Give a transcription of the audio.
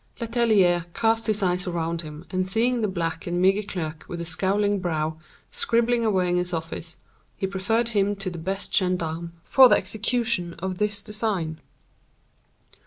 Letellier cast his eyes around him, and seeing the black and meager clerk with the scowling brow, scribbling away in his office, he preferred him to the best gendarme for the execution of this design.